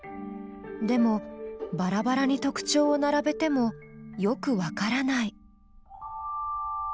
でもバラバラに特徴を並べてもよくわからない。